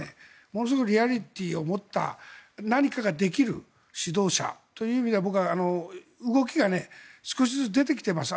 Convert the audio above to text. ものすごくリアリティーを持った何かをできる指導者として僕は動きが少しずつ出てきています。